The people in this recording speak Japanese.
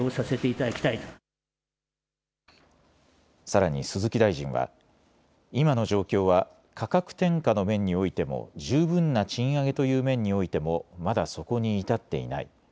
さらに鈴木大臣は今の状況は価格転嫁の面においても十分な賃上げという面においてもまだそこに至っていない。